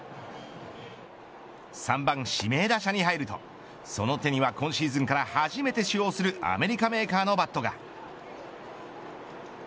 ３番、指名打者に入るとその手には今シーズンから初めて使用するアメリカメーカーのバットが。